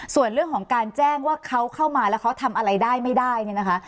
ส่วนเรื่องของการแจ้งว่าเขาเข้ามาแล้วเขาทำอะไรได้ไม่ได้เนี่ยนะคะ